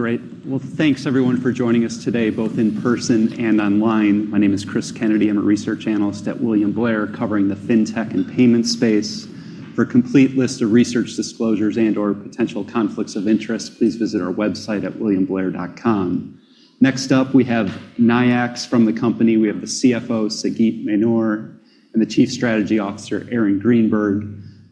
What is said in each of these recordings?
All right. Great. Well, thanks everyone for joining us today, both in person and online. My name is Cris Kennedy. I'm a research analyst at William Blair, covering the fintech and payment space. For a complete list of research disclosures and/or potential conflicts of interest, please visit our website at williamblair.com. Next up, we have Nayax from the company. We have the CFO, Sagit Manor, and the Chief Strategy Officer, Aaron Greenberg.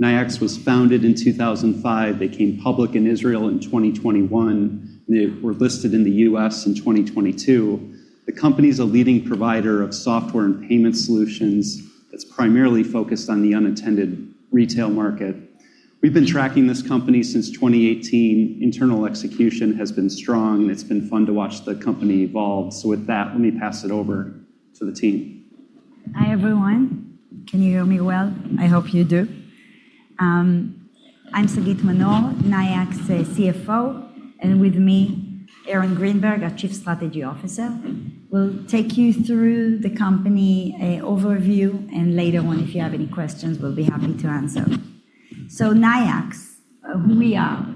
Nayax was founded in 2005. They came public in Israel in 2021. They were listed in the U.S. in 2022. The company's a leading provider of software and payment solutions that's primarily focused on the unattended retail market. We've been tracking this company since 2018. Internal execution has been strong. It's been fun to watch the company evolve. With that, let me pass it over to the team. Hi, everyone. Can you hear me well? I hope you do. I'm Sagit Manor, Nayax's CFO, and with me, Aaron Greenberg, our Chief Strategy Officer. Later on, if you have any questions, we'll be happy to answer. Nayax, who we are.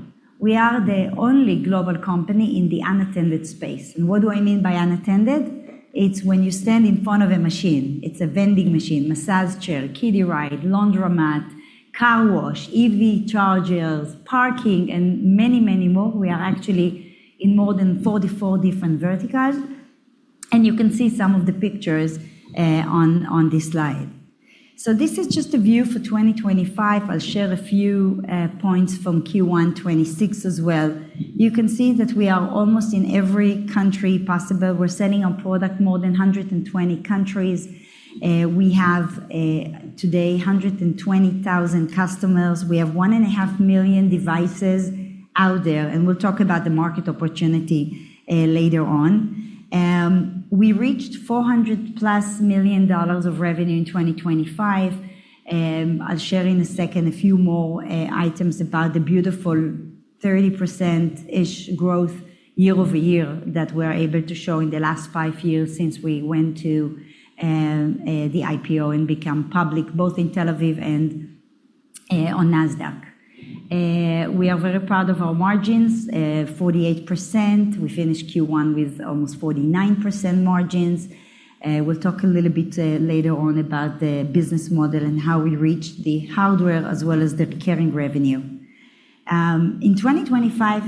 We are the only global company in the unattended space. What do I mean by unattended? It's when you stand in front of a machine. It's a vending machine, massage chair, kiddie ride, laundromat, car wash, EV chargers, parking, and many more. We are actually in more than 44 different verticals, and you can see some of the pictures on this slide. This is just a view for 2025. I'll share a few points from Q1 2026 as well. You can see that we are almost in every country possible. We're selling our product more than 120 countries. We have today 120,000 customers. We have one and a half million devices out there, and we'll talk about the market opportunity later on. We reached $400+ million of revenue in 2025. I'll share in a second a few more items about the beautiful 30%-ish growth year-over-year that we're able to show in the last five years since we went to the IPO and become public both in Tel Aviv and on Nasdaq. We are very proud of our margins, 48%. We finished Q1 with almost 49% margins. We'll talk a little bit later on about the business model and how we reached the hardware as well as the recurring revenue. In 2025,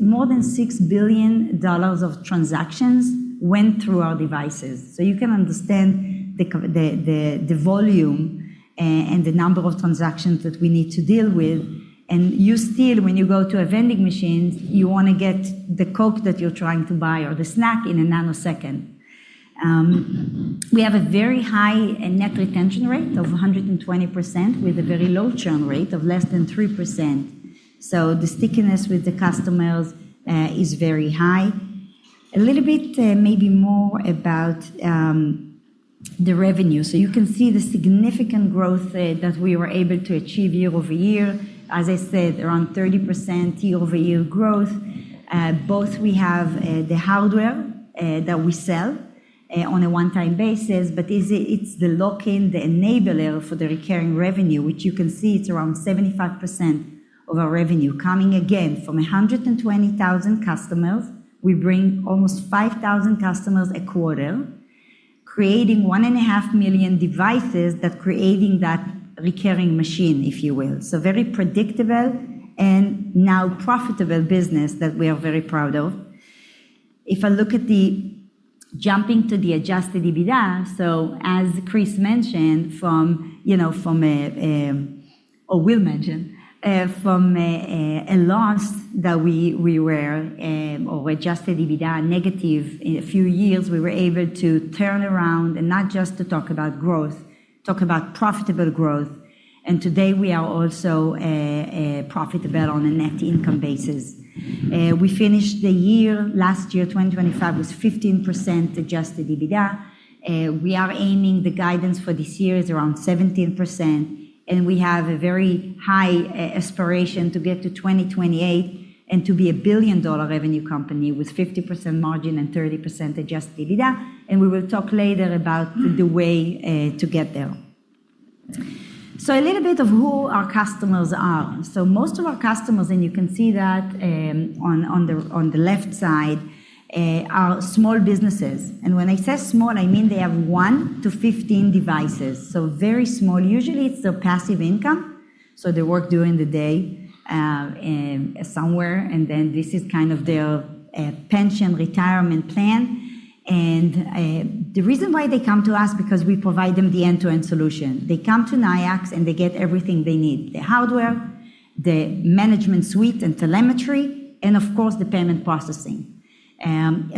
more than $6 billion of transactions went through our devices. You can understand the volume and the number of transactions that we need to deal with. You still, when you go to a vending machine, you want to get the Coke that you're trying to buy or the snack in a nanosecond. We have a very high net retention rate of 120% with a very low churn rate of less than 3%. The stickiness with the customers is very high. A little bit maybe more about the revenue. You can see the significant growth that we were able to achieve year-over-year. As I said, around 30% year-over-year growth. Both we have the hardware that we sell on a one-time basis, but it's the lock-in, the enabler for the recurring revenue, which you can see it's around 75% of our revenue coming again from 120,000 customers. We bring almost 5,000 customers a quarter, creating 1.5 million devices that creating that recurring machine, if you will. Very predictable and now profitable business that we are very proud of. If I look at the jumping to the adjusted EBITDA, as Cris mentioned, or will mention, from a loss that we were or adjusted EBITDA negative in a few years, we were able to turn around and not just to talk about growth, talk about profitable growth, and today we are also profitable on a net income basis. We finished the year, last year, 2025, was 15% adjusted EBITDA. We are aiming the guidance for this year is around 17%, and we have a very high aspiration to get to 2028 and to be a billion-dollar revenue company with 50% margin and 30% adjusted EBITDA, and we will talk later about the way to get there. A little bit of who our customers are. Most of our customers, and you can see that on the left side, are small businesses. When I say small, I mean they have one to 15 devices, so very small. Usually, it's their passive income, so they work during the day somewhere, and then this is kind of their pension retirement plan. The reason why they come to us, because we provide them the end-to-end solution. They come to Nayax, and they get everything they need, the hardware, the management suite and telemetry, and of course, the payment processing.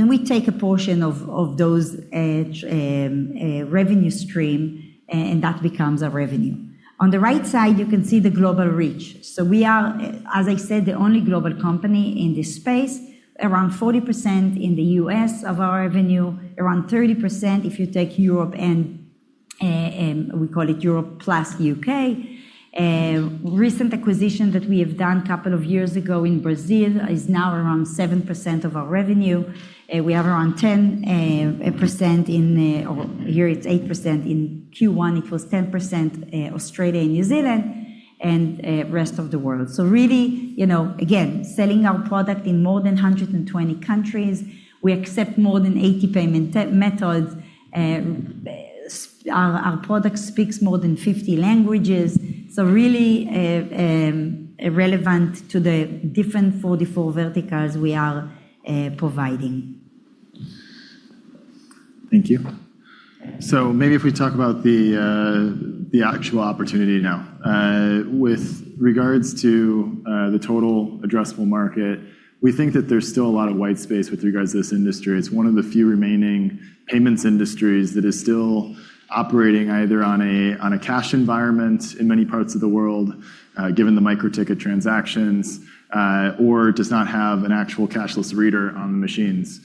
We take a portion of those revenue stream, and that becomes our revenue. On the right side, you can see the global reach. We are, as I said, the only global company in this space. Around 40% in the U.S. of our revenue, around 30% if you take Europe and we call it Europe plus U.K. Recent acquisition that we have done couple of years ago in Brazil is now around 7% of our revenue. We have around 10% in, or here it's 8%, in Q1 it was 10%, Australia and New Zealand. Rest of the world. Really, again, selling our product in more than 120 countries. We accept more than 80 payment methods. Our product speaks more than 50 languages, so really relevant to the different 44 verticals we are providing. Thank you. Maybe if we talk about the actual opportunity now. With regards to the total addressable market, we think that there's still a lot of white space with regards to this industry. It's one of the few remaining payments industries that is still operating either on a cash environment in many parts of the world, given the micro-ticket transactions, or does not have an actual cashless reader on the machines.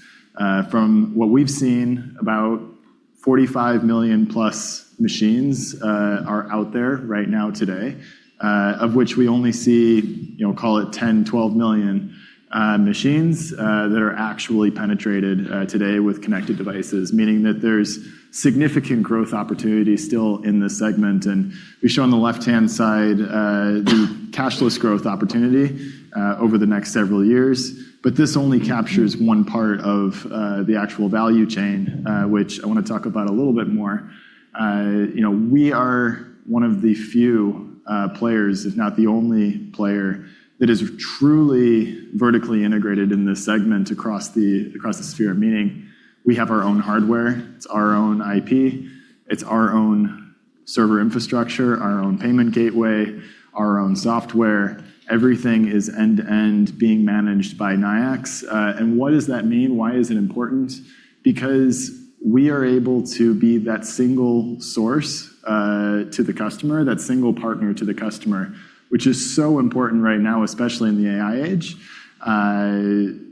From what we've seen, about 45 million-plus machines are out there right now today, of which we only see, call it 10, 12 million machines that are actually penetrated today with connected devices, meaning that there's significant growth opportunity still in this segment. We show on the left-hand side the cashless growth opportunity over the next several years. This only captures one part of the actual value chain, which I want to talk about a little bit more. We are one of the few players, if not the only player, that is truly vertically integrated in this segment across the sphere, meaning we have our own hardware, it's our own IP, it's our own server infrastructure, our own payment gateway, our own software. Everything is end-to-end being managed by Nayax. What does that mean? Why is it important? Because we are able to be that single source to the customer, that single partner to the customer, which is so important right now, especially in the AI age,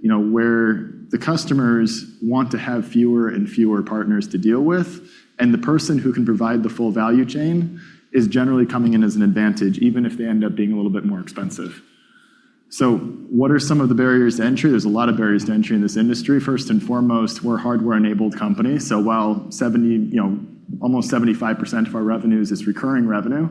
where the customers want to have fewer and fewer partners to deal with. The person who can provide the full value chain is generally coming in as an advantage, even if they end up being a little bit more expensive. What are some of the barriers to entry? There's a lot of barriers to entry in this industry. First and foremost, we're a hardware-enabled company, so while almost 75% of our revenues is recurring revenue,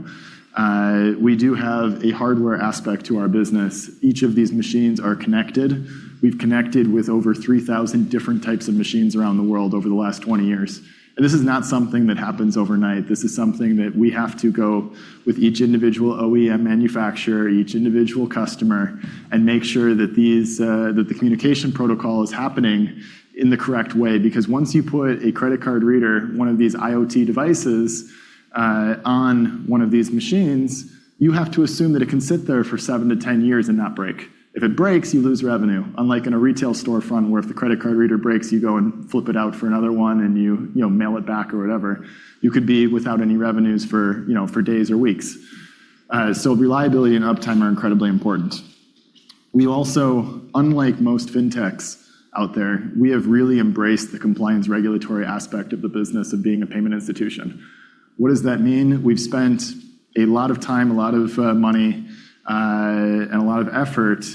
we do have a hardware aspect to our business. Each of these machines are connected. We've connected with over 3,000 different types of machines around the world over the last 20 years. This is not something that happens overnight. This is something that we have to go with each individual OEM manufacturer, each individual customer, and make sure that the communication protocol is happening in the correct way. Once you put a credit card reader, one of these IoT devices, on one of these machines, you have to assume that it can sit there for 7-10 years and not break. If it breaks, you lose revenue. Unlike in a retail storefront where if the credit card reader breaks, you go and flip it out for another one and you mail it back or whatever. You could be without any revenues for days or weeks. Reliability and uptime are incredibly important. We also, unlike most fintechs out there, we have really embraced the compliance regulatory aspect of the business of being a payment institution. What does that mean? We've spent a lot of time, a lot of money, and a lot of effort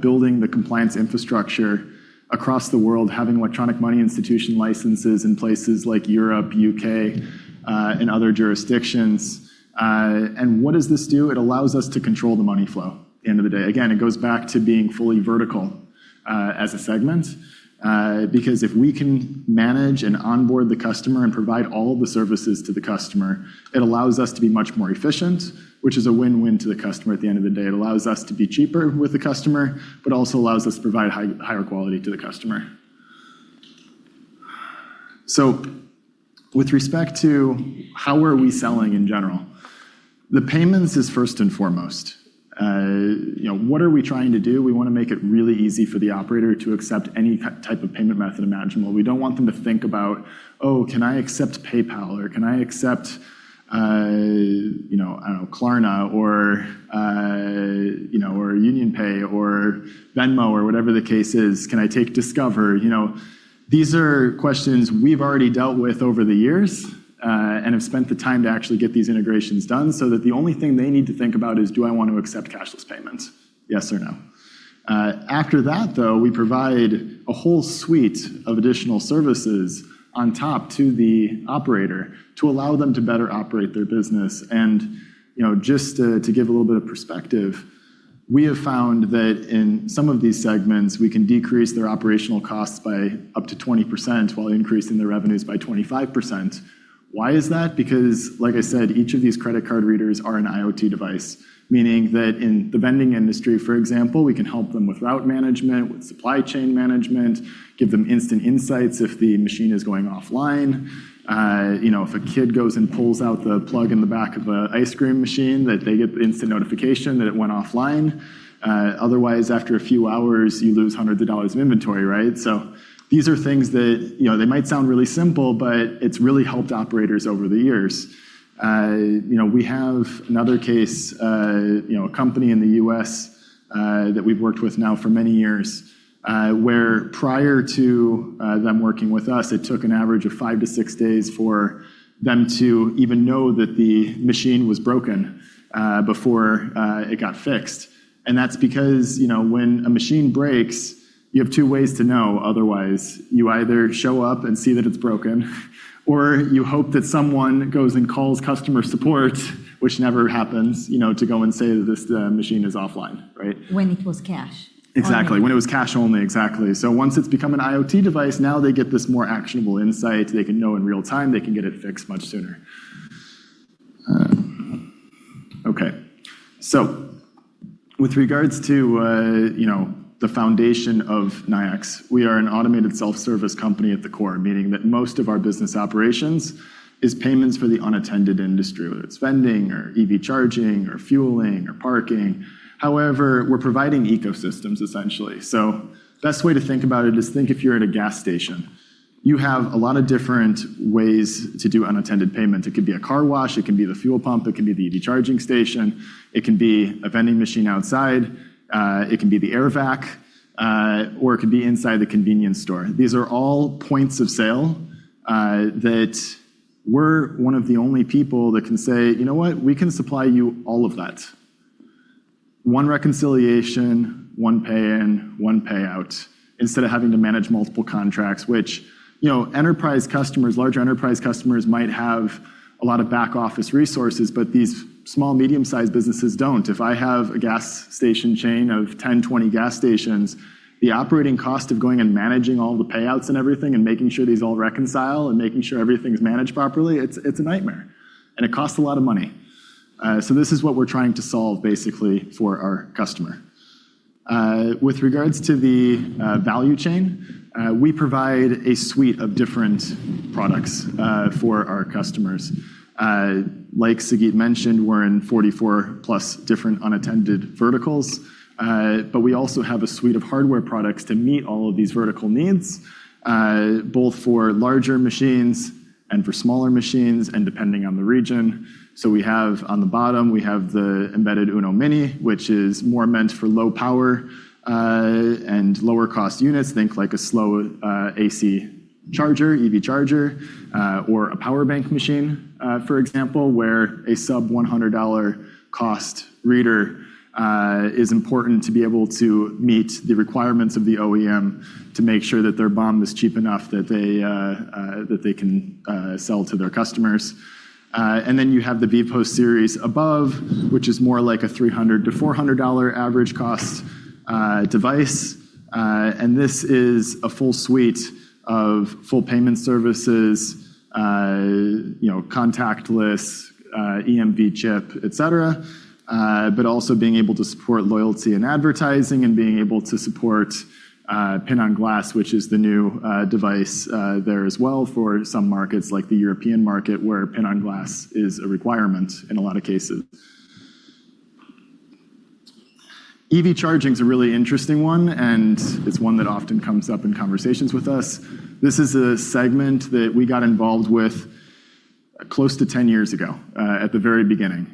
building the compliance infrastructure across the world, having Electronic Money Institution licenses in places like Europe, U.K., and other jurisdictions. What does this do? It allows us to control the money flow at the end of the day. Again, it goes back to being fully vertical as a segment, because if we can manage and onboard the customer and provide all the services to the customer, it allows us to be much more efficient, which is a win-win to the customer at the end of the day. It allows us to be cheaper with the customer, but also allows us to provide higher quality to the customer. With respect to how are we selling in general, the payments is first and foremost. What are we trying to do? We want to make it really easy for the operator to accept any type of payment method imaginable. We don't want them to think about, oh, can I accept PayPal or can I accept Klarna or UnionPay or Venmo or whatever the case is. Can I take Discover? These are questions we've already dealt with over the years, and have spent the time to actually get these integrations done so that the only thing they need to think about is do I want to accept cashless payments, yes or no? After that, though, we provide a whole suite of additional services on top to the operator to allow them to better operate their business. Just to give a little bit of perspective, we have found that in some of these segments, we can decrease their operational costs by up to 20% while increasing their revenues by 25%. Why is that? Like I said, each of these credit card readers are an IoT device, meaning that in the vending industry, for example, we can help them with route management, with supply chain management, give them instant insights if the machine is going offline. If a kid goes and pulls out the plug in the back of an ice cream machine, that they get instant notification that it went offline. Otherwise, after a few hours, you lose hundreds of dollars of inventory, right? These are things that might sound really simple, but it's really helped operators over the years. We have another case, a company in the U.S. that we've worked with now for many years, where prior to them working with us, it took an average of five to six days for them to even know that the machine was broken before it got fixed. That's because when a machine breaks. You have two ways to know otherwise. You either show up and see that it's broken, or you hope that someone goes and calls customer support, which never happens, to go and say that this machine is offline. Right? When it was cash. Exactly. When it was cash only. Exactly. Once it's become an IoT device, now they get this more actionable insight. They can know in real time, they can get it fixed much sooner. Okay. With regards to the foundation of Nayax, we are an automated self-service company at the core, meaning that most of our business operations is payments for the unattended industry, whether it's vending or EV charging or fueling or parking. However, we're providing ecosystems essentially. Best way to think about it is think if you're at a gas station. You have a lot of different ways to do unattended payment. It could be a car wash, it can be the fuel pump, it can be the EV charging station, it can be a vending machine outside. It can be the air vac, or it could be inside the convenience store. These are all points of sale, that we're one of the only people that can say, "You know what? We can supply you all of that." One reconciliation, one pay in, one payout, instead of having to manage multiple contracts. Larger enterprise customers might have a lot of back office resources, but these small, medium-sized businesses don't. If I have a gas station chain of 10, 20 gas stations, the operating cost of going and managing all the payouts and everything, and making sure these all reconcile, and making sure everything's managed properly, it's a nightmare. It costs a lot of money. This is what we're trying to solve basically for our customer. With regards to the value chain, we provide a suite of different products for our customers. Like Sagit mentioned, we're in 44+ different unattended verticals. We also have a suite of hardware products to meet all of these vertical needs, both for larger machines and for smaller machines, and depending on the region. We have on the bottom, we have the embedded UNO-Mini, which is more meant for low power, and lower cost units. Think like a slow AC charger, EV charger, or a power bank machine, for example, where a sub $100 cost reader is important to be able to meet the requirements of the OEM to make sure that their bond is cheap enough that they can sell to their customers. You have the VPOS series above, which is more like a $300-$400 average cost device. This is a full suite of full payment services, contactless, EMV chip, et cetera. Also being able to support loyalty and advertising and being able to support PIN-on-Glass, which is the new device there as well for some markets like the European market, where PIN-on-Glass is a requirement in a lot of cases. EV charging is a really interesting one, and it's one that often comes up in conversations with us. This is a segment that we got involved with close to 10 years ago, at the very beginning.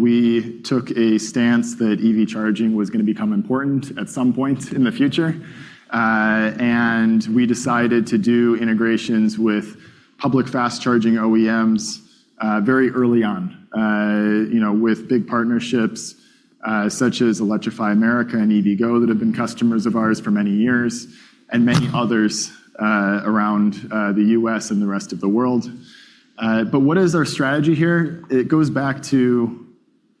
We took a stance that EV charging was going to become important at some point in the future. We decided to do integrations with public fast charging OEMs very early on. With big partnerships such as Electrify America and EVgo that have been customers of ours for many years, and many others around the U.S. and the rest of the world. What is our strategy here? It goes back to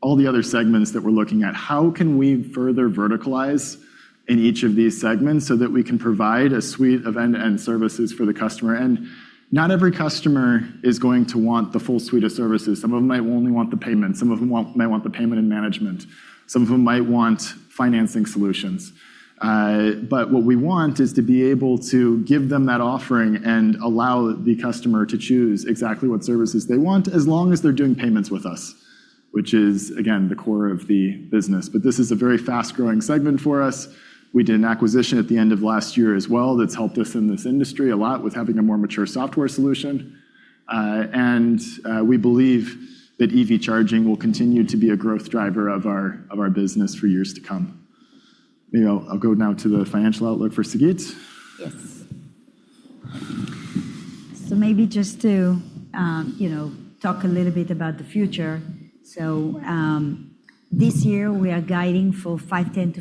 all the other segments that we're looking at. How can we further verticalize in each of these segments so that we can provide a suite of end-to-end services for the customer? Not every customer is going to want the full suite of services. Some of them might only want the payment, some of them might want the payment and management, some of them might want financing solutions. What we want is to be able to give them that offering and allow the customer to choose exactly what services they want, as long as they're doing payments with us, which is again, the core of the business. This is a very fast-growing segment for us. We did an acquisition at the end of last year as well that's helped us in this industry a lot with having a more mature software solution. We believe that EV charging will continue to be a growth driver of our business for years to come. Maybe I'll go now to the financial outlook for Sagit. Yes. Maybe just to talk a little bit about the future. This year we are guiding for $510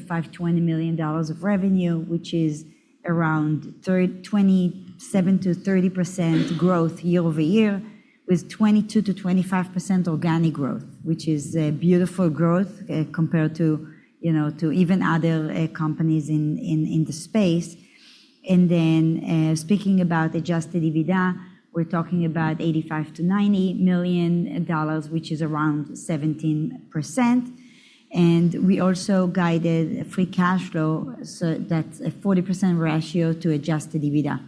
million-$520 million of revenue, which is around 27%-30% growth year-over-year, with 22%-25% organic growth, which is a beautiful growth, compared to even other companies in the space. Speaking about adjusted EBITDA, we are talking about $85 million-$90 million, which is around 17%. We also guided free cash flow, so that's a 40% ratio to adjusted EBITDA.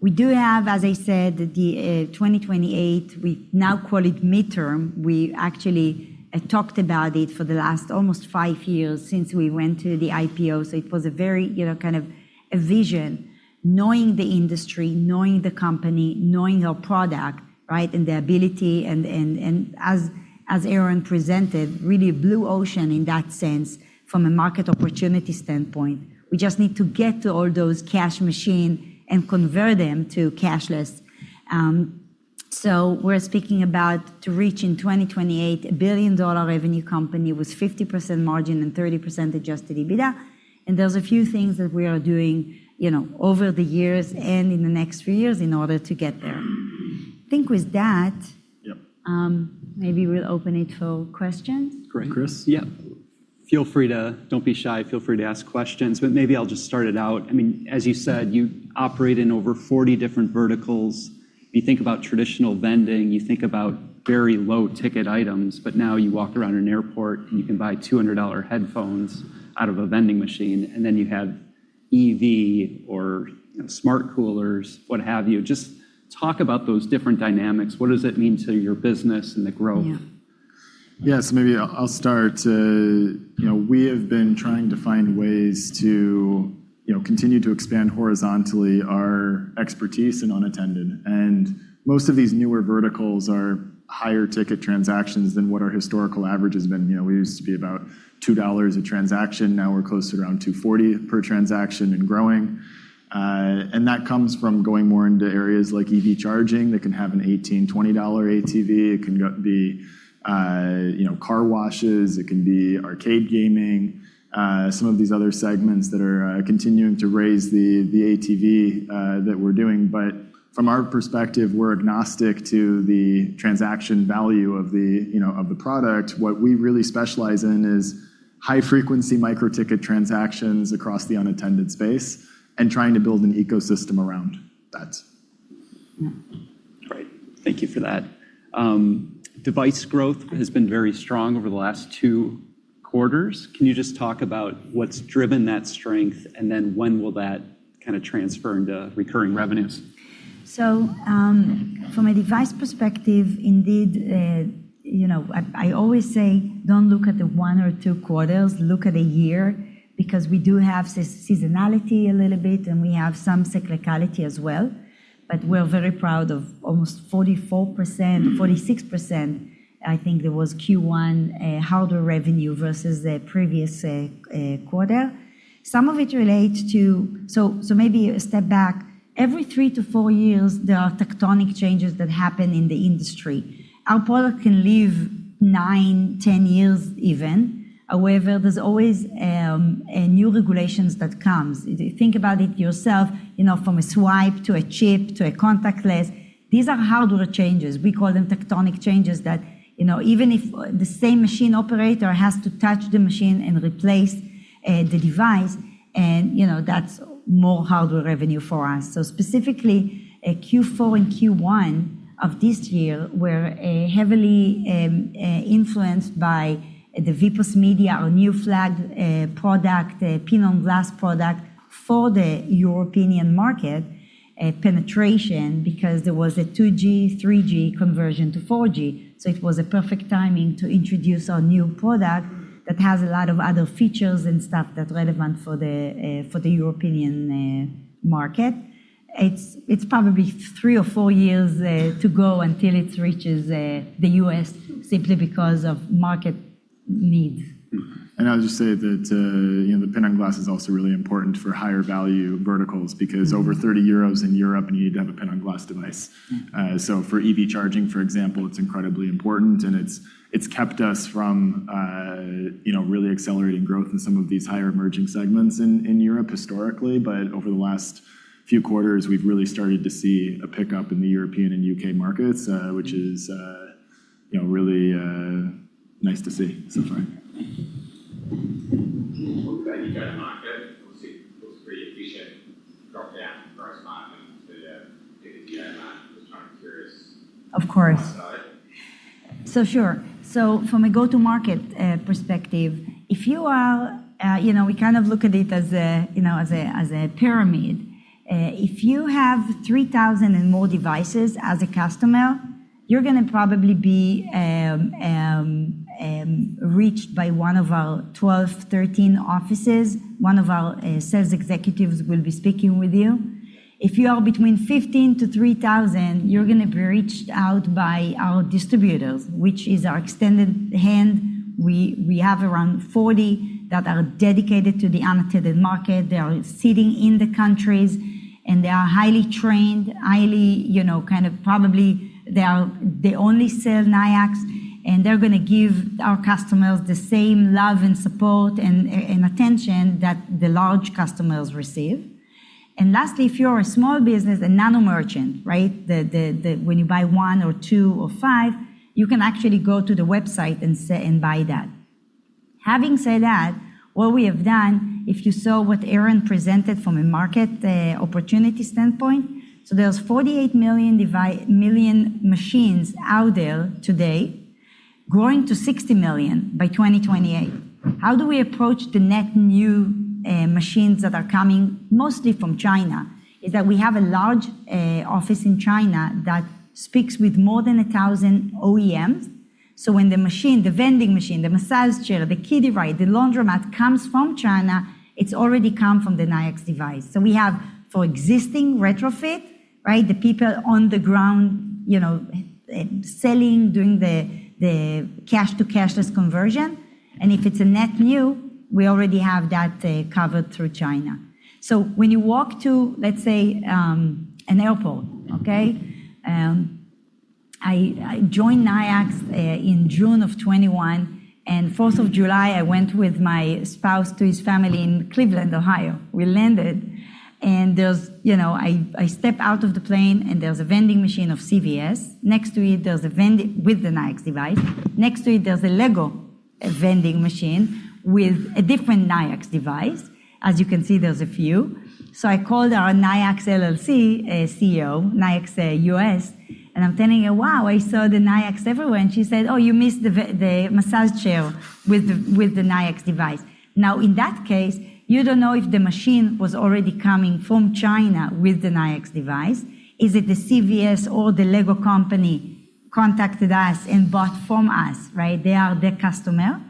We do have, as I said, the 2028, we now call it midterm. We actually talked about it for the last almost five years since we went to the IPO. It was a very kind of a vision, knowing the industry, knowing the company, knowing our product. Right? The ability, as Aaron presented, really a blue ocean in that sense from a market opportunity standpoint. We just need to get to all those cash machine and convert them to cashless. We're speaking about to reach in 2028 a billion-dollar revenue company with 50% margin and 30% adjusted EBITDA. There's a few things that we are doing over the years and in the next few years in order to get there. Yep. Maybe we'll open it for questions. Great. Cris? Yeah. Don't be shy. Feel free to ask questions, but maybe I'll just start it out. As you said, you operate in over 40 different verticals. If you think about traditional vending, you think about very low-ticket items, but now you walk around an airport, and you can buy $200 headphones out of a vending machine, and then you have EV or smart coolers, what have you. Just talk about those different dynamics. What does it mean to your business and the growth? Yeah. Yes, maybe I'll start. We have been trying to find ways to continue to expand horizontally our expertise in unattended. And most of these newer verticals are higher-ticket transactions than what our historical average has been. We used to be about $2 a transaction. Now we're close to around $2.40 per transaction and growing. And that comes from going more into areas like EV charging that can have an $18, $20 ATV. It can be car washes. It can be arcade gaming, some of these other segments that are continuing to raise the ATV that we're doing. But from our perspective, we're agnostic to the transaction value of the product. What we really specialize in is high-frequency micro-ticket transactions across the unattended space and trying to build an ecosystem around that. Yeah. Great. Thank you for that. Device growth has been very strong over the last two quarters. Can you just talk about what's driven that strength, and then when will that kind of transfer into recurring revenues? From a device perspective, indeed, I always say, "Don't look at the one or two quarters, look at a year," because we do have seasonality a little bit, and we have some cyclicality as well, but we're very proud of almost 44%, 46%, I think it was Q1, hardware revenue versus the previous quarter. Some of it relates to. Maybe a step back. Every three to four years, there are tectonic changes that happen in the industry. Our product can live nine, 10 years even. There's always new regulations that comes. If you think about it yourself, from a swipe to a chip to a contactless, these are hardware changes. We call them tectonic changes that even if the same machine operator has to touch the machine and replace the device, and that's more hardware revenue for us. Specifically, Q4 and Q1 of this year were heavily influenced by the VPOS Media, our new flagship product, a PIN-on-Glass product for the European market penetration because there was a 2G, 3G conversion to 4G. It was a perfect timing to introduce our new product that has a lot of other features and stuff that's relevant for the European market. It's probably three or four years to go until it reaches the U.S. simply because of market needs. I'll just say that the PIN-on-Glass is also really important for higher value verticals because over 30 euros in Europe, and you need to have a PIN-on-Glass device. For EV charging, for example, it's incredibly important, and it's kept us from really accelerating growth in some of these higher emerging segments in Europe historically. Over the last few quarters, we've really started to see a pickup in the European and U.K. markets, which is really nice to see so far. Obviously, it was a pretty efficient drop-down for us marketing to the go-to-market. Of course. Sure. From a go-to-market perspective, we kind of look at it as a pyramid. If you have 3,000 and more devices as a customer, you're going to probably be reached by one of our 12, 13 offices. One of our sales executives will be speaking with you. If you are between 15-3,000, you're going to be reached out by our distributors, which is our extended hand. We have around 40 that are dedicated to the unattended market. They are sitting in the countries, and they are highly trained. They only sell Nayax, and they're going to give our customers the same love and support and attention that the large customers receive. Lastly, if you're a small business, a nano merchant, when you buy one or two or five, you can actually go to the website and buy that. Having said that, what we have done, if you saw what Aaron presented from a market opportunity standpoint, there's 48 million machines out there today growing to 60 million by 2028. How do we approach the net new machines that are coming mostly from China is that we have a large office in China that speaks with more than 1,000 OEMs. When the machine, the vending machine, the massage chair, the kiddie ride, the laundromat comes from China, it's already come from the Nayax device. We have for existing retrofit, the people on the ground selling during the cash to cashless conversion. If it's a net new, we already have that covered through China. When you walk to, let's say, an airport, okay. I joined Nayax in June of 2021, and 4th of July, I went with my spouse to his family in Cleveland, Ohio. We landed and I step out of the plane and there's a vending machine of CVS with the Nayax device. Next to it, there's a Lego vending machine with a different Nayax device. As you can see, there's a few. I called our Nayax LLC CEO, Nayax US, and I'm telling her, "Wow, I saw the Nayax everywhere." She said, "Oh, you missed the massage chair with the Nayax device." Now, in that case, you don't know if the machine was already coming from China with the Nayax device. Is it the CVS or the Lego company contacted us and bought from us, right? They are the customer.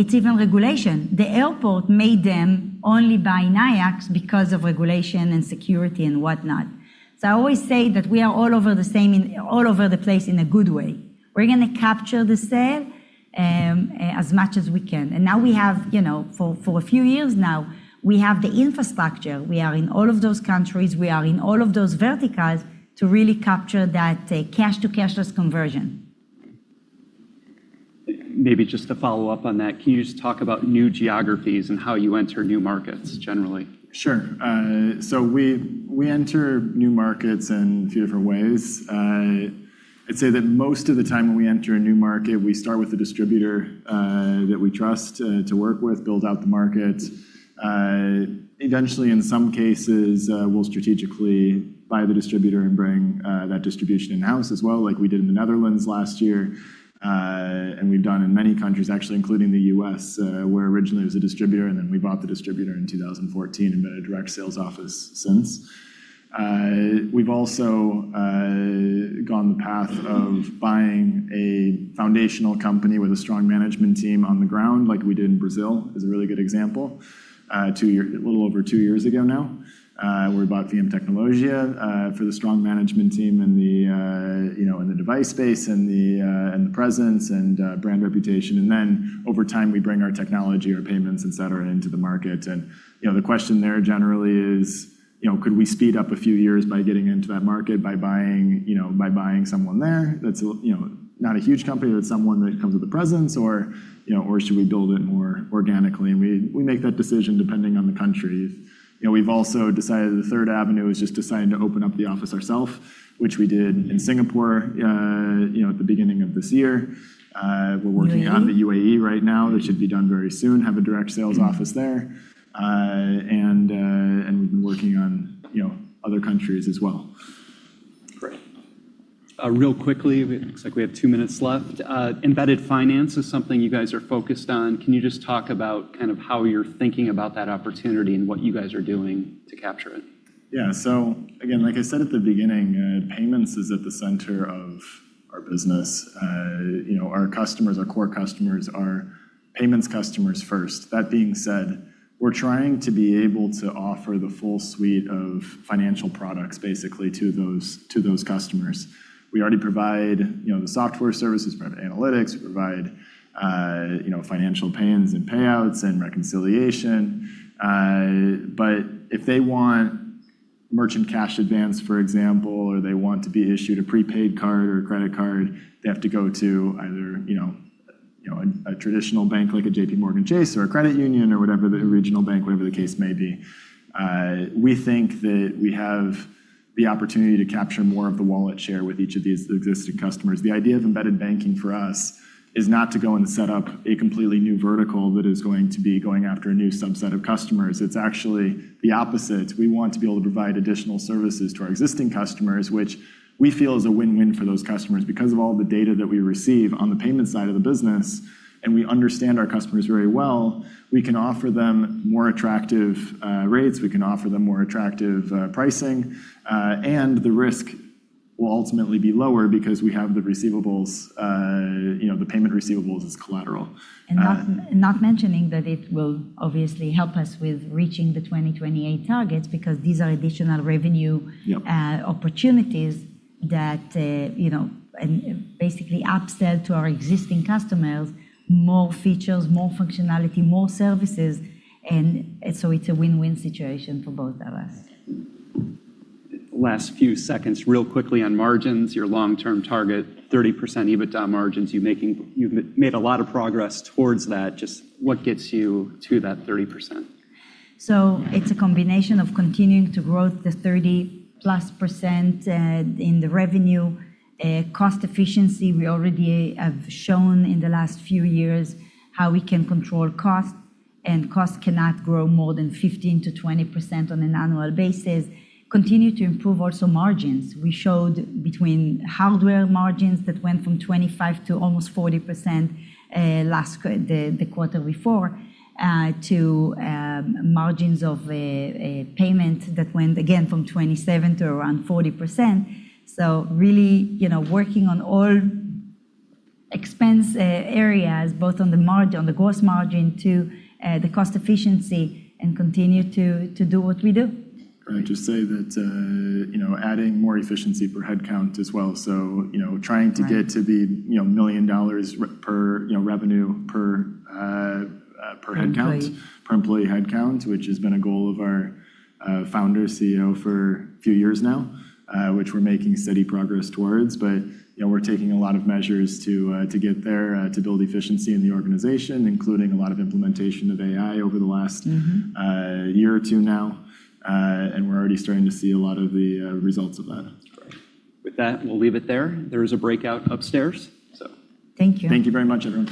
It's even regulation. The airport made them only buy Nayax because of regulation and security and whatnot. I always say that we are all over the place in a good way. We're going to capture the sale as much as we can. Now for a few years now, we have the infrastructure. We are in all of those countries. We are in all of those verticals to really capture that cash to cashless conversion. Maybe just to follow up on that, can you just talk about new geographies and how you enter new markets, generally? Sure. We enter new markets in a few different ways. I'd say that most of the time when we enter a new market, we start with a distributor that we trust to work with, build out the market. Eventually, in some cases, we'll strategically buy the distributor and bring that distribution in-house as well like we did in the Netherlands last year. We've done in many countries, actually, including the U.S., where originally it was a distributor, and then we bought the distributor in 2014 and been a direct sales office since. We've also gone the path of buying a foundational company with a strong management team on the ground, like we did in Brazil, is a really good example, a little over two years ago now. We bought VMtecnologia, for the strong management team in the device space, and the presence and brand reputation. Over time, we bring our technology, our payments, etc., into the market. The question there generally is, Could we speed up a few years by getting into that market by buying someone there that's not a huge company, but someone that comes with a presence? Should we build it more organically? We make that decision depending on the country. We've also decided the third avenue is just deciding to open up the office ourself, which we did in Singapore at the beginning of this year. We're working on the U.A.E. right now. That should be done very soon. Have a direct sales office there. We've been working on other countries as well. Great. Real quickly, it looks like we have two minutes left. embedded finance is something you guys are focused on. Can you just talk about how you're thinking about that opportunity and what you guys are doing to capture it? Yeah. Again, like I said at the beginning, payments is at the center of our business. Our core customers are payments customers first. That being said, we're trying to be able to offer the full suite of financial products, basically, to those customers. We already provide the software services, provide analytics. We provide financial payments and payouts and reconciliation. If they want merchant cash advance, for example, or they want to be issued a prepaid card or credit card, they have to go to either a traditional bank like a JPMorgan Chase or a credit union or whatever the original bank, whatever the case may be. We think that we have the opportunity to capture more of the wallet share with each of these existing customers. The idea of embedded banking for us is not to go and set up a completely new vertical that is going to be going after a new subset of customers. It's actually the opposite. We want to be able to provide additional services to our existing customers, which we feel is a win-win for those customers. Because of all the data that we receive on the payment side of the business, and we understand our customers very well, we can offer them more attractive rates. We can offer them more attractive pricing. The risk will ultimately be lower because we have the payment receivables as collateral. Not mentioning that it will obviously help us with reaching the 2028 targets because these are additional revenue-. Yep. Opportunities that basically upsell to our existing customers more features, more functionality, more services. It's a win-win situation for both of us. Last few seconds. Real quickly on margins, your long-term target, 30% EBITDA margins. You've made a lot of progress towards that. What gets you to that 30%? It's a combination of continuing to grow the 30%+ in the revenue cost efficiency. We already have shown in the last few years how we can control costs, and costs cannot grow more than 15%-20% on an annual basis. Continue to improve also margins. We showed between hardware margins that went from 25%-almost 40% the quarter before, to margins of a payment that went again from 27%-around 40%. Really working on all expense areas, both on the gross margin to the cost efficiency and continue to do what we do. Can I just say that adding more efficiency per head count as well. Trying to get to the $1 million per revenue per head count. Per employee. Per employee head count, which has been a goal of our founder CEO for a few years now, which we're making steady progress towards. We're taking a lot of measures to get there, to build efficiency in the organization, including a lot of implementation of AI over the last- ear or two now. We're already starting to see a lot of the results of that. Great. With that, we'll leave it there. There is a breakout upstairs. Thank you. Thank you very much, everyone.